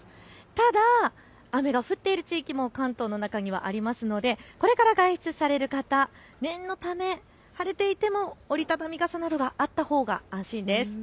ただ雨が降っている地域も関東の中にはありますので、これから外出される方、念のため晴れていても折り畳み傘などあったほうが安心です。